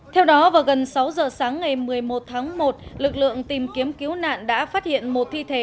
theo đó vào gần sáu giờ sáng ngày một mươi một tháng một lực lượng tìm kiếm cứu nạn đã phát hiện một thi thể